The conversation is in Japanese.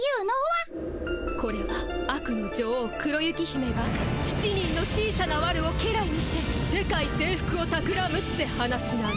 これはあくの女王黒雪姫が７人の小さなわるを家来にして世界征服をたくらむって話なの。